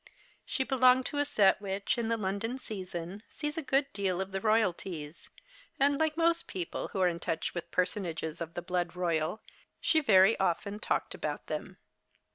She belonged to a set which, in the London season, sees a good deal of the Royalties, and, like most peojjle wiio The Cheistmas Hirelings. 23 are in toueli A\itli personages of the blood royal, she very often talked about them.